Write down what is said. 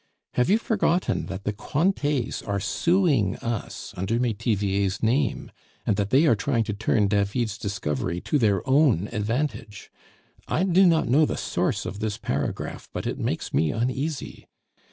Have you forgotten that the Cointets are suing us under Metivier's name? and that they are trying to turn David's discovery to their own advantage? I do not know the source of this paragraph, but it makes me uneasy.